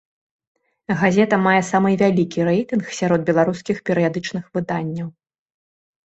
Газета мае самы вялікі рэйтынг сярод беларускіх перыядычных выданняў.